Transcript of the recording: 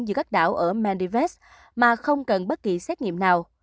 giữa các đảo ở menivest mà không cần bất kỳ xét nghiệm nào